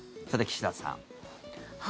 さて、岸田さん。